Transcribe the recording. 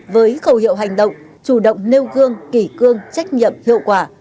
với khẩu hiệu hành động chủ động nêu gương kỷ cương trách nhiệm hiệu quả